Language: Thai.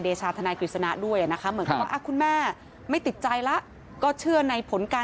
ชาธนายกฤษณะด้วยนะคะเหมือนกับว่าคุณแม่ไม่ติดใจแล้วก็เชื่อในผลการ